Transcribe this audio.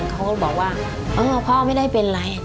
เขาก็บอกว่าเออพ่อไม่ได้เป็นไร